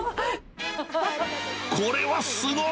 これはすごい！